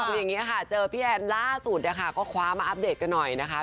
อย่างนี้ค่ะเจอพี่แอนล่าสุดนะคะก็คว้ามาอัปเดตกันหน่อยนะคะ